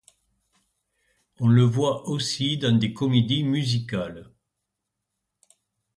On le voit aussi dans des comédies musicales.